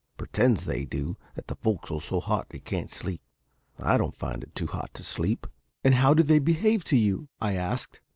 Pretends, they do, that the fo'c's'le's so hot they can't sleep. I don't find it too hot to sleep." "And how do they behave to you?" I asked.